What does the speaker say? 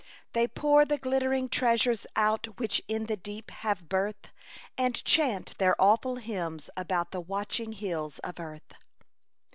They pour the glittering treasures out which in the deep have birth, And chant their awful hymns about the watching hills of earth.